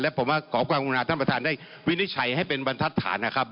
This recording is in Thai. และผมว่าก็ขอประวังคุณลาท่านบริษัทได้วินิจฉัยเป็นบรรทัศนฐานนะครับ